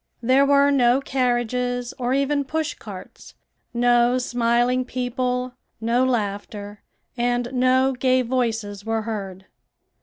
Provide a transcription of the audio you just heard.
There were no carriages or even push carts; no smiling people, no laughter, and no gay voices were heard.